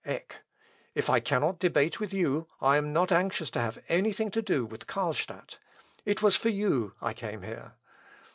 Eck. "If I cannot debate with you, I am not anxious to have any thing to do with Carlstadt. It was for you I came here."